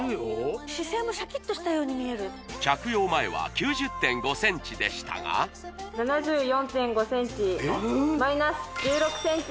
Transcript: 姿勢もシャキッとしたように見える着用前は９０．５ｃｍでしたが７４．５ｃｍえーっ？